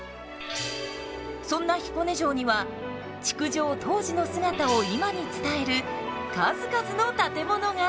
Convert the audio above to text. そんな彦根城には築城当時の姿を今に伝える数々の建物が。